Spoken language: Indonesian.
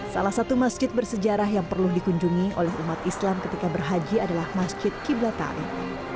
salah satu masjid bersejarah yang perlu dikunjungi oleh umat islam ketika berhaji adalah masjid qiblatawi